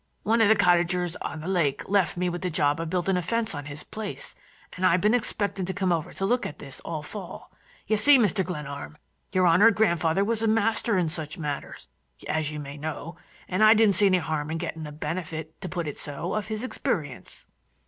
One of the cottagers on the lake left me with the job of building a fence on his place, and I've been expecting to come over to look at this all fall. You see, Mr. Glenarm, your honored grandfather was a master in such matters, as you may know, and I didn't see any harm in getting the benefit—to put it so—of his experience."